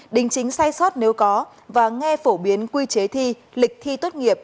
đính chính sai sót nếu có và nghe phổ biến quy chế thi lịch thi tốt nghiệp